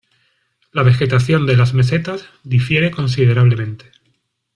La vegetación de las mesetas difiere considerablemente.